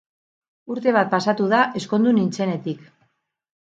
Urte bat pasatu da ezkondu nintzenetik